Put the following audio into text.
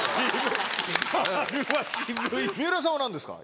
三浦さんは何ですか？